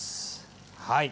はい。